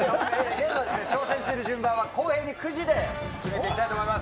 ゲームに挑戦する順番は、公平にくじで決めていきたいと思います。